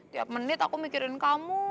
tiap menit aku mikirin kamu